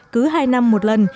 cứ hai năm một lần